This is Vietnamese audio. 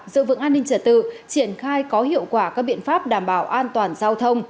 giữ vững an ninh trả tự triển khai có hiệu quả các biện pháp đảm bảo an toàn giao thông